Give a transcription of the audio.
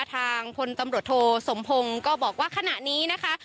ทางพลตำรวจโทสมพงศ์ก็บอกว่าขณะนี้นะคะ